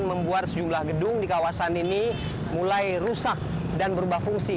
membuat sejumlah gedung di kawasan ini mulai rusak dan berubah fungsi